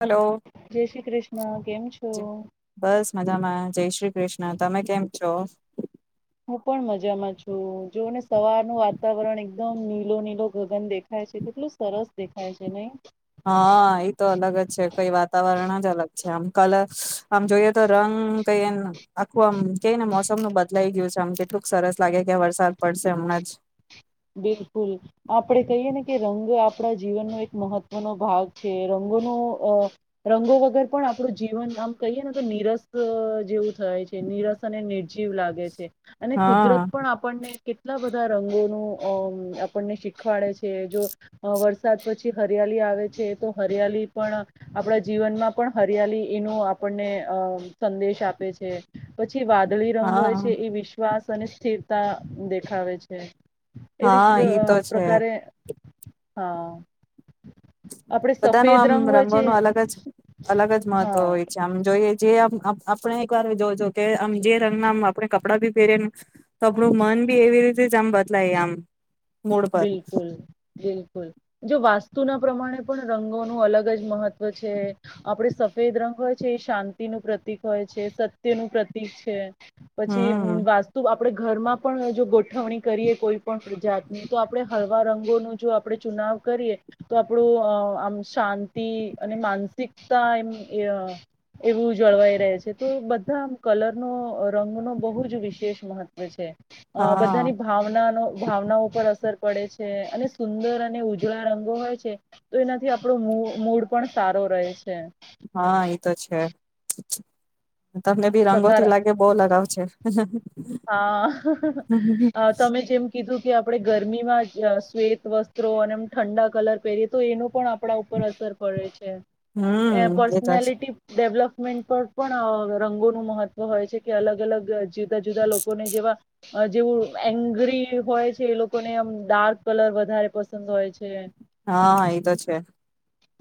Hello જય શ્રી કૃષ્ણ કેમ છો બસ મજામાં. જય શ્રી કૃષ્ણ તમે કેમ છો. હું પણ મજામાં છું જોને. સવારનુંું વાતાવરણ એકદમ. લીલો નીલો ગગન દેખાય છે કેટલું સરસ દેખાય છે નહી. હા એ તો અલગ જ છે કઈ વાતાવરણ જ અલગ આમ કલર આમ જોઈએ તો રંગ કઈ આખું આમ. તેઈને મોસમ નું બદલાઈ ગયું છે. આમ કેટલુંક સરસ લાગે કે વરસાદ પડશે હમણાં જ. બિલકુલ આપણે કહીએ ને કે રંગ આપણા જીવનનો એક મહત્વનો ભાગ છે રંગોનો અ રંગો વગર પણ આપણું જીવન આમ કહીએ ને તો નિનીરસ જેવું થાય છે નિનીરસ અને. જીવ લાગે છે અને કુદરત હા પણ આપણને. કેટલા બધા રંગો ન. અ આપણને શીખવાડે છે જો વરસાદ પછી હરિયાલી આવે છે તો હરિયાલી પણ આપણા જીવનમાં પણ હરિયાલી એનો આપણને અ સંદેશ આપે છે. પછી વાદળી રંગ હોય છે હા એ વિશ્વાસ. અનિશ્થિરતા દેખાવે છે. એવી જ હા ઈ તો છે પ્રકારે. હા. આપણે બધા ન સફેદ આમ રંગ હોય છે રંગોનું અલગ જ અલગ જ મહત્વ હા હોય છે આમ જોઈએ. જે આમ આપણે એક વાર જોજો કે આમ જે રંગનામ આપણે કપડાં ભી પહેરેને તો આપણું મન બી એવી રીતે જ આમ બદલાય આમ. મૂડ પર બિલકુલ બિલકુલ. જો વાસ્તુના પ્રમાણે પણ રંગોનું અલગ જ મહત્વ છે આપણે સફેદ રંગ હોય છે એ શાંતિનુંું પ્રતિક હોય છે સત્યનુંું પ્રતિક છે. પછી હમ વાસ્તુ. આપણે ઘરમાં પણ જો ગોઠવણી કરીએ કોઈ પણણ પ્રજા. તો આપડણે હળવા રંગોનું જો આપણે ચુનાવ કરીએ તો આપણું આમ શાંતિ અને માનસિકતા એમ એવું જળવાઈ રહે છે તો બધા આમ કલરનો રંગનો બહુ જ વિશેષ મહત્વ છે. અ બધાની હા ભાવનાનો ભાવનાઓ. અસર પડે છે અને સુંદર અને ઉજળા રંગો હોય છે તો એનાથી આપણો મૂડ પણ સારો રહે છે. હા એ તો છે. તમને બી સકાર રંગોથી લાગે બહુ લગાવ છે. [inaudible] હા તમે જેમ કીધું. કે આપણે ગરમીમાં શ્વેત વસ્ત્રો અને એમ ઠંડા કલર પહેરીએ તો એનું પણ. કડા ઉપર અસર પડે છે હમ એ તો છે પર્સનાલિટી ડેવલપ. પર પણ રંગોનું મહત્વ હોય છે કે અલગ અલગ જીવતા જ. જેવું એંગરી હોય છે એ લોકોને આમ ડાર્ક કલર વધારે પસંદ હોય છે. હા એ તો છે.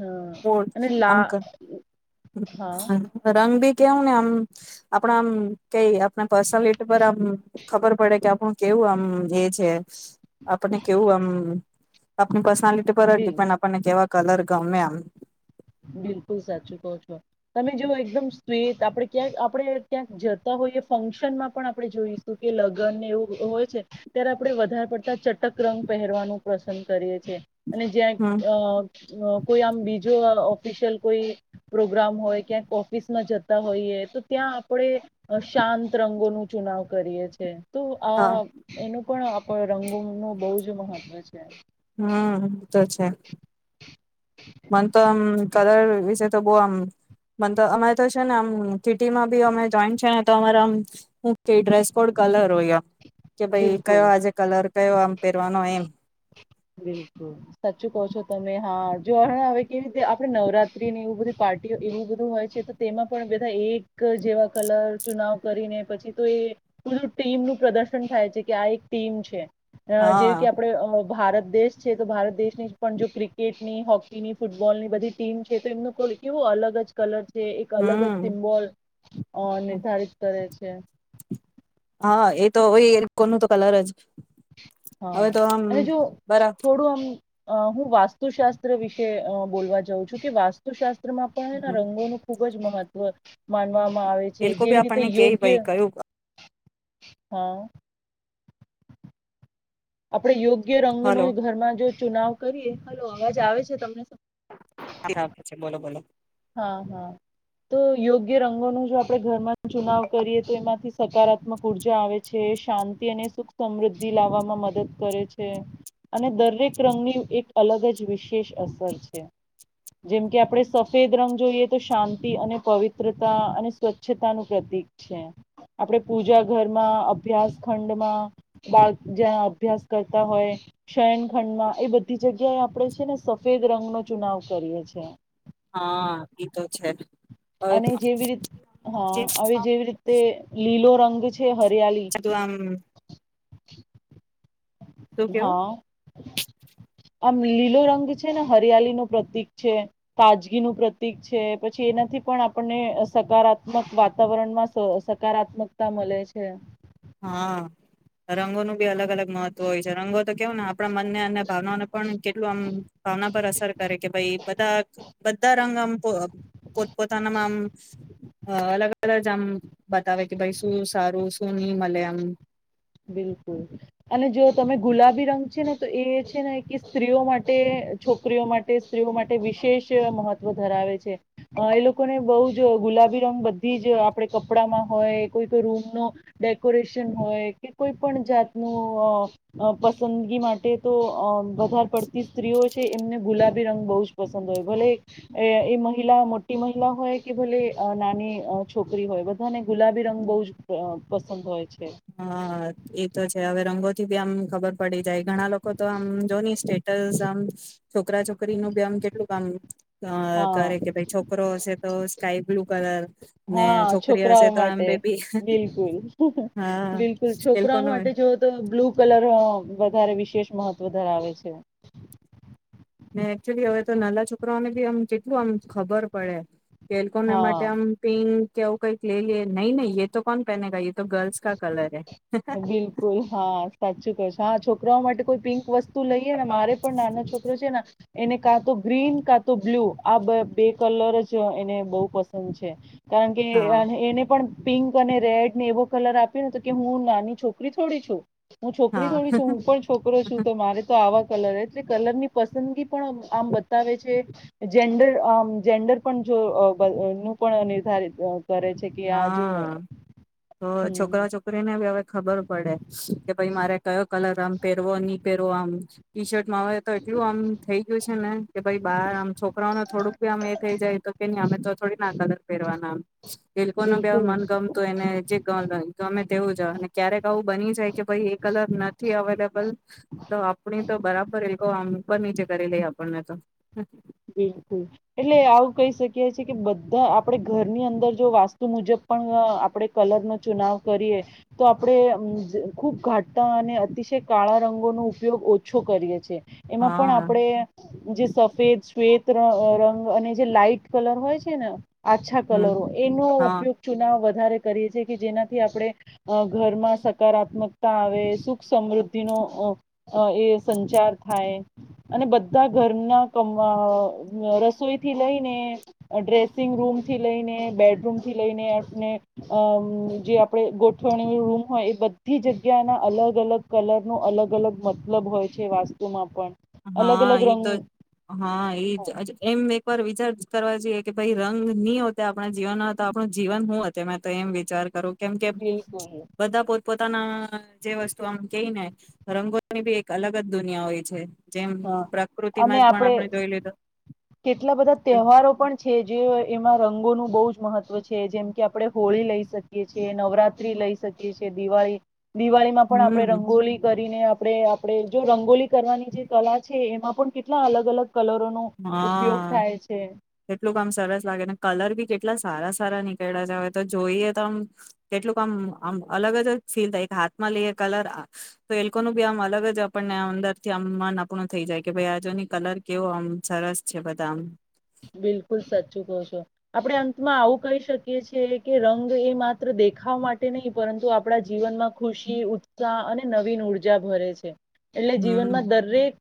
હા કો અને અમક લા હા રંગબે. કેવું ને આમ આપણા આમ કઈ આપણા પર્સનાલિટી પર આમ ખબર પડે કે આપણું કેવું આમ એ છે આપણે કેવું આમ આપણી પર્સનાલિટી. બિલ ડિપેન્ડ આપણને જેવા. કલર ગમે એમ. બિલકુલ સાચું કહો છો તમે જોઓ એકદમ સ્વીત આપણે ક્યાંક આપણે ક્યાંક જતા હોઈએ ફંક્શનમાં પણ આપણે જોઈશું કે લગ્નને એવું હોય છે ત્યારે આપણે વધારે પડતા ચટક રંગ પહેરવાનું પસંદ કરીએ છે. અને જ્યાં હમ અ કોઈ આમ બીજું. ઓફિશિયલ કોઈ પ્રોગ્રામ હોય ક્યાંક ઓફિસમાં જતા હોઈએ તો ત્યાં આપણે શાંત રંગોનું ચુનાવ કરીએ છે. તો હા આ એનું. પણ આપ રંગો ન બહુ જ મહત્વ છે. હમ. તો છે. મ તો આમ કલર વિશે તો બહ આમ મ તો અમારે તો છે ને આમ કિટીમાં બી અમે જોઈ છે ને તો અમારા આમ ડ્રેસ કોડ કલર હો. કે ભાઈ બિલકુલ કયો આજે કલર. કયો આમ પહેરવાનો એમ. બિલકુલ સાચું કહો છો તમે હા જો હ હવે કેવી રીતે આપણે નવરાત્રીની એવું બધી પાર્ટીઓ એવું બધું હોય છે તો તેમાં પણ બધા એક જેવા કલર ચુનાવ કરીને પછી તો એ બધું ટીમનુંું પ્રદર્શન થાય છે કે આ એક ટીમ છે. અ હા જેવી કે આપડણે. ભારત. દેશ છે તો ભારત દેશની જ પણ જો ક્રિકેટની હોકીની ફૂટબોલની બધી ટીમ છે તો એમનું કેવો અલગ જ કલર. જે એક અલગ જ હમ સિમ્બોલ અ નિર્ધારિત કરે છે. [inaudible] હા એ તો હોય કો ન તો કલર જ. હા હવે તો આમ અને જો બરા થોડું આમ. અ હું વાસ્તુશાસ્ત્ર વિશે બોલવા જાઉં છું કે વાસ્તુશાસ્ત્ર. પણ રંગોનું ખૂબ. ખબ જ મહત્વ માનવામાં. આવે એ છે લોકો લોકો ભી જેવી રીતે આપણને ક યોગ્ય ભાઈ કહ્યું. હા. આપણે યોગ્ય. રંગ નો હલો ઘરમાં જો. ચુનાવ કરીએ હલો અવાજ આવે છે તમને. છે બોલો બોલો હા હા તો યોગ્ય રંગો ન જો આપણે ઘરમાં ચુનાવ કરીએ તો એમાંથી સકારાત્મક ઉર્જા આવે છે શાંતિ અને સુખ સમૃદ્ધિ લાવવામાં મદદ કરે છે અને દરેક રંગની એક અલગ જ વિશેષ અસર છે જેમ કે આપણે. સફેદ રંગ જોઈએ તો શાંતિ અને પવિત્રતા અને સ્વચ્છતાનુંું પ્રતીિક છે આપણે પૂજા ઘરમાં અભ્યાસ ખંડમાં બાળ જ્યાં અભ્યાસ કરતા હોય શયન ખંડમાં એ બધી જગ્યાએ આપણે છે ને સફેદ રંગનોો ચુનાવ કરીએ છ છે. હા ઈ તો છે. હવે અને તો જેવી રીતે હા હવે જેવી રીતે લીલો. [inaudible] છે હરિયાલી. આમ શું કેવું હા. આમ લીલો રંગ છે ને હરિયાળ નું પ્રતિક છે, તાજગીનું પ્રતિક છે પછી એનાથી પણ આપણને સકારાત્મક વાતાવરણમાં સકારાત્મકતા મળે છે. હા, રંગોનું ભી અલગ અલગ મહત્વ હોય છે રંગો તો કેવ ને આપણા મનને અને ભાવનાને પણ કેટલું આમ ભાવના પર અસર કરે કે ભાઈ બધા બધા રંગ આમ પોતપોતાનામાં આમ, અલગ અલગ જમ બતાવે કે ભાઈ શું સારું ની મલે આમ. બિલકુલ, અને જો તમે ગુલાબી રંગ છે ને તો એ છે ને કે સ્ત્રીઓ માટે છોકરીઓ માટે સ્ત્રીઓ માટે વિશેષ મહત્વ ધરાવે છે, એ લોકોને બહ જ ગુલાબી રંગ બધી જ આપણે કપડામાં હોય કોઈ કોઈ રૂમ નું, ડેકોરેશન હોય. કે કોઈ પણ જાતનું પસંદગી માટે તો અ વધારે પડતી સ્ત્રીઓ છે એમને ગુલાબી રંગ બહુ જ પસંદ હોય ભલે, એ મહિલા મોટી મહિલા હોય કે ભલે નાની છોકરી હોય બધાને ગુલાબી રંગ બહુ જ પસંદ હોય છે. હા. એતો છે હવે રંગોથી બી આમ ખબર પડી જાય ઘણા લોકો તો જોની સ્ટેટ સ આમ છોકરા છોકરી નું બી આમ કેટલું કામ અ હા કરે કે ભાઈ છોકરો હશે તો સ્કાાય બ્લુ કલર ને હા છોકરી હશે છોકરાઓ તો આમ માટે બેબી બિલકુલ. હા બિલકુલ એ લોકો છોકરાઓ નો માટે જોવ તો બ્લુ કલર વધારે વિશેષ મહત્વ ધરાવે છે. ને એકચુલી હવે તો નાના છોકરાઓને બી આમ કેટલું આમ ખબર પડે. ખલકોને હા માટે આમ પિક ક્યાવું કઈક લઈ લ નહીં નં એ તો કોણ પહેનેગ તો ગર્લ્સ કા કલર હૈ. બિલકુલ હા સાચું કરશ. હા છોકરાઓ માટે કોઈ પિંક વસ્તુ લઈ મારે પણ નાનો છોકરો છે ને એને કાં તો ગ્રીન કાં તો બ્લુ આ બે કલર જ એને બહુ પસંદ છે. કારણ કે હા એને પણ પિંક અને રેડ ને એવો કલર આપ્યો ને તો કે હું ના અને છોકરી થોડી છો. હું છોકરી થોડી હા છું હું પણ છોકરો છું તો મારે તો આવા કલર એટલે કલર ની પસંદગી પણ આમ બતાવે છે, જેન્ડર આમ જેન્ડર પણ જો નું પણ નિર્ધારિત કરે છે કે આ જો હા તો હમ છોકરા છોકરીનેવે ખબર પડે, કે ભાઈ મારે કયો કલર આમ પેહેરવો નહ પહેરવો આમ ટી શર્ટમાં હવે તો એટલું આમ થઇ ગયું છે ને કે ભાઈ બાર આમ છોકરાઓને થોડુંક ભી આમ એ થઇ જાય તો કે ન અમે તો થોડી ના કલર પહેરવાના આમ. એ લોકો ન બિલકુલ મન ગમતું એને જે ગમે તેવું જ ક્યારેક આવું બની જાય કે ભ એ કલર નથી અવેલેબલ, તો આપણી તો બરાબર એ લોકો આમ બની જ કરી લઈ આપણને તો. બિલકુલ, એટલે આવું કહી શકીએ કે બધા આપણે ઘરની અંદર જો વાસ્તુ મુજબ પણ આપણે કલરનો ચુનાવ કરીએ, તો આપણે ખુબ ઘાટ અને અતિશય કાળા રંગોનો ઉપયોગ ઓછો કરીએ છીએ. એમાં પણ હા આપડે જે. પેજ. ત્વેત રંગ અને જે લાાઈટ કલર હોય છે ને. આછા હમ કલરો એનો હા ઉપયોગ ચુના વધારે. કરી કે જેનાથી આપણે ઘરમાં સકારાત્મકતા આવે સુ. સુખ સમૃદ્ધિ નો એ સંચાર થાય. અને બધા ઘરના કમ. રસોઈથી લઈને ડ્રેસિંગ રૂમથી લઈને બેડરૂમથી લઈને આપણે જે આપણે ગોઠવણી રૂમ હોય એ બધી જગ્યાના અલગ અલગ કલરનો અલગ અલગ મતલબ હોય છે વાસ્તુમાં પણ. અલગ હા અલગ એ રંગ તો હ. હા એજ એમ એક વાર. વિચાર કરવા જોઈએ કે ભાઈ રંગ નની હો આપણા જીવનનો હતો આપણું જીવન શું હત મેં તો એમ વિચાર કરું. કેમ કે બિલકુલ બધા પોતે. પોતાના જે વસ્તુ આમ કહી ને રંગોની બી એક અલગ જ દુનિયા હોય છે. જેમ હા અને પ્રકૃતિમાં જ પણ આપડે આપણે જોઈ લીધું કેટલા બધા તહેવારો પણ છે જે એમાં રંગોનું. બહુ જ મહત્વ છે જેમ કે આપડણે હોળી લઈ શકીએ છ છેએ નવરાત્રી લઈ શકીએ છ છેએ દિવાળી. દિવાળીમાં પણ આપડણે હમ રંગોલી કરીને. આપડે આપડે જો રંગોલી. કરવાની જે કલા છે એમાં પણ કેટલા અલગ અલગ. કલરોનો ઉપયોગ હા થાય છે કેટલું કામ સરસ લાગે કલર બી કેટ. કેટલા સારા સારા નીકળ્યા જય તો જોઈએ તો આમ કેટલુંક આમ આમ અલગ જ ફીલ થાય કે હાથમાં લઈએ કલર તો એ લોકોનું બી આમ અલગ જ આપણને અંદર થી આમ મન આપણું થઈ જાય કે ભાઈ આજુની કલર કેવો આમ. સરસ છે બદામ. બિલકુલ સાચું કહો છો આપણે અંતમાં આવું કહી શકીએ છીએ કે રંગ એ માત્ર દેખાવ માટે નહીં પરંતુ આપણા જીવનમાં. ખુશી ઉત્સાહ અને. નવીન ઉર્જા ભરે છે. એટલે હમ જીવનમાં દરેક.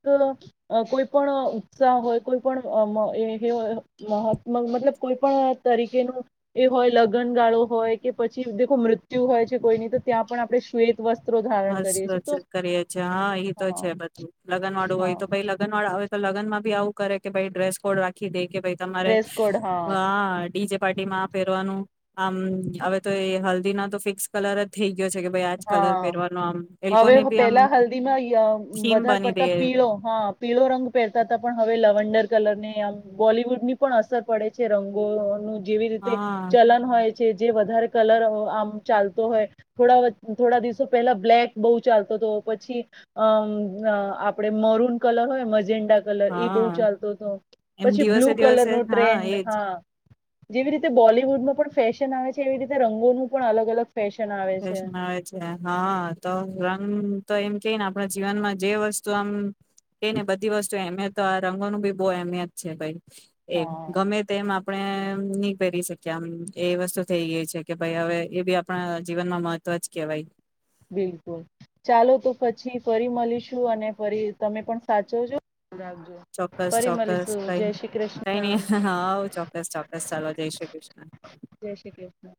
કોઈ પણ ઉત્સાહ હોય કોઈ પણ એ. મહાત્મ મતલબ કોઈ પણ તરીકેનું એ હોય લગ્ન ગાળો હોય કે પછી દેખો મૃત્યુ હોય છે કોઈની તો ત્યાં પણ આપણે શ્વેત વસ્ત્રો ધારણ હસ કરીએ છીએ તો કરીએ છીએ હા ઈ તો છે બધું લગન વાળું હોય હા તો ભાઈ લગન વાળું આવે. તો લગનમાંી આવું કરે કે ભાઈ ડ્રેસ કોડ રાખી દે. કે ભાઈ તમારે ડ્રેસ કોડ હા હ ડીજે પાર્ટી માં આ પેરવાનું. આમ હવે તો એ હલ્દી ના તો ફિક્સ કલર જ થઇ ગયો. યો છે કે ભાઈ આજ કલર. હા લોકોને હવે બી આમ પેલા હલ્દીમાં થીમ વધારે બની દે પડતા પીળો હા પીળો રંગ પહેરતા હતા પણ હવે લવડર. કલર ને આમ બોલીવુડ ની પણ અસર પડે છે રંગોનું. જેવી રીતે હા ચલન હોય. જે-જે વધારે કલર અહ આમ ચાલતો હોય થોડા વ થોડા દિવસો પહેલા બ્લેક બહુ ચાલતો તો, પછી અમ અહ આપડે મરૂન કલર હોય મજ ન્ડા કલર ઈ બહુ હા ચાલતો તો. એમ પછી બ્લુ દિવસે કલર દિવસે નું હા ટ્રેન્ડ, એજ હા. જેવી રીતે બોલિવુડમાં પણ ફેશન આવે છે, એવી રીતે રંગોનું પણ અલગ-અલગ ફેશન આવે છે. ફેશન આવે છે. હા તો. રંગ તો તો એમ કેને આપણા જીવનમાં જે વસ્તુ આમ કે ને બધી વસ્તુ અહેમિયત તો આ રંગો નું બી બહુ અહેમિયત છે ભઈ. એમ હા ગમે તેમ આપ આપણે નહી પહેરી શક્યે આમ, એ વસ્તુ થઈ ગઈ છે કે ભઈ હવે એ બી આપણા જીવનમાં મહત્વ જ કહેવાય. બિલકુલ. ચાલો તો પછી ફરી મલીશું અને ફરી તમે પણ સાચવજો. રાખજો ફરી ચોક્કસ-ચોક્કસ મળીશું કઈ જય શ્રી કઈ કૃષ્ણ નઈ હાવ ચોક્કસ-ચોક્કસ ચાલો જઈ શ્રી કૃષ્ણ. જય શ્રી કૃષ્ણ